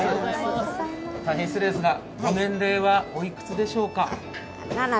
大変失礼ですが、ご年齢はおいつくでしょうか？